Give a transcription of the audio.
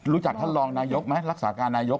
ท่านรองนายกไหมรักษาการนายก